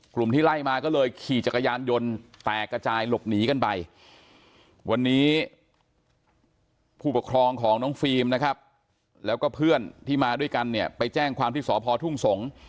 กลุ่มที่ไล่มาก็เลยขี่จักรยานยนต์แตกกระจายหลบหนีกันไปวันนี้ผู้ปกครองของน้องฟิล์มนะครับแล้วก็เพื่อนที่มาด้วยกันเนี่ยไปแจ้งความที่สพทุ่งสงศ์